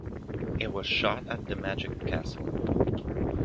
It was shot at The Magic Castle.